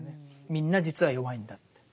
みんな実は弱いんだって。